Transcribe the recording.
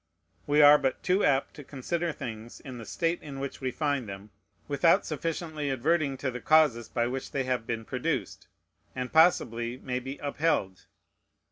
We are but too apt to consider things in the state in which we find them, without sufficiently adverting to the causes by which they have been produced, and possibly may be upheld.